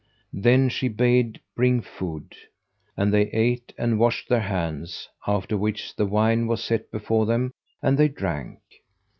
Then she bade bring food, and they ate and washed their hands; after which the wine was set before them; and they drank.